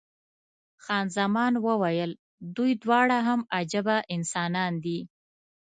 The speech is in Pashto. خان زمان وویل، دوی دواړه هم عجبه انسانان دي.